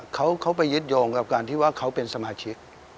เขาไปยึดโยงกับการที่ว่าเขาเป็นสมาชิก